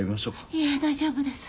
いえ大丈夫です。